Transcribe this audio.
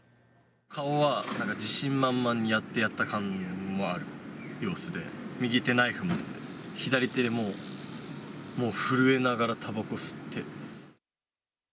顔は、なんか自信満々にやってやった感もある様子で、右手ナイフ持って、左手も、もう震えながらたばこ吸って。